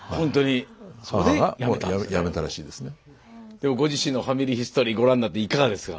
今日ご自身の「ファミリーヒストリー」ご覧になっていかがですか？